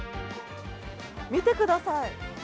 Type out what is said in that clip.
見てください。